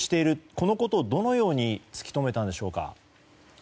このことを、どのように突き止めたのでしょうか。